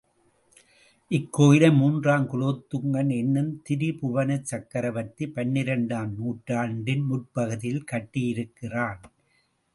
இக்கோயிலை மூன்றாம் குலோத்துங்கன் என்னும் திரிபுவனச் சக்ரவர்த்தி பன்னிரண்டாம் நூற்றாண்டின் முற்பகுதியிலே கட்டியிருக்கிறான்.